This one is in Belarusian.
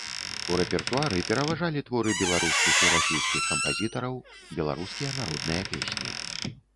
У рэпертуары пераважалі творы беларускіх і расійскіх кампазітараў, беларускія народныя песні.